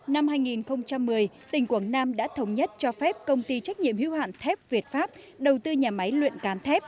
năm hai nghìn một mươi tỉnh quảng nam đã thống nhất cho phép công ty trách nhiệm hưu hạn thép việt pháp đầu tư nhà máy luyện cán thép